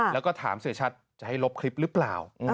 แล้วก็ถามเสียชัดจะให้ลบคลิปหรือเปล่า